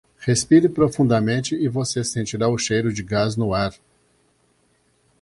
Respire profundamente e você sentirá o cheiro de gás no ar.